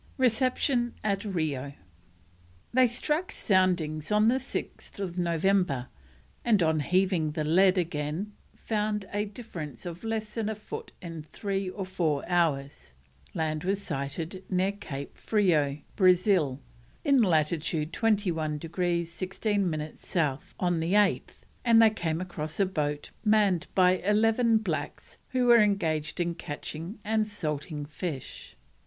RECEPTION AT RIO. They struck soundings on 6th November, and on heaving the lead again found a difference of less than a foot in three or four hours. Land was sighted near Cape Frio, Brazil, in latitude 21 degrees 16 minutes South, on the 8th, and they came across a boat manned by eleven blacks who were engaged in catching and salting fish.